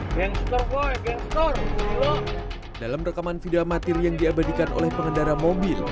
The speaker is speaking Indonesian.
hai yang terbaik yang terdalam rekaman video amatir yang diabadikan oleh pengendara mobil